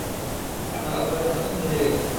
আপনার অপরাধী আপনার সামনেই দাঁড়িয়ে আছে।